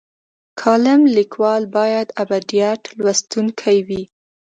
کالم لیکوال باید ابډیټ لوستونکی وي.